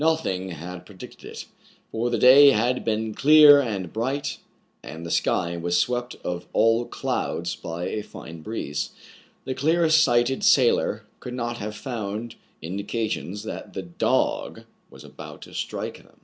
Nothing had predicted it; for the day ■ had been clear and bright, and the sky was swept of all clouds by a fine breeze. The clearest sighted sailor could not have found indications that the "dog" was about to strike them.